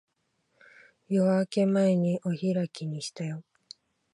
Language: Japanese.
夜明け前にお開きにしたよ。